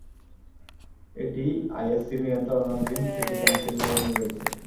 এটি ISC নিয়ন্ত্রণাধীন city council ভবনে রয়েছে।